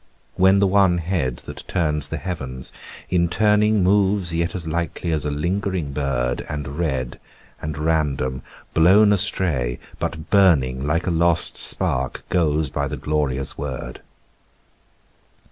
When the one head that turns the heavens in turning Moves yet as lightly as a lingering bird, And red and random, blown astray but burning, Like a lost spark goes by the glorious word.